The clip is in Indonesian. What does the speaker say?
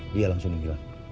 dia langsung menjelan